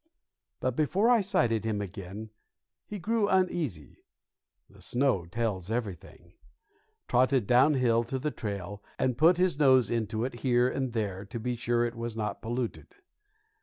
But before I sighted him again he grew uneasy (the snow tells everything), trotted down hill to the trail, and put his nose into it here and there to be sure it was not polluted.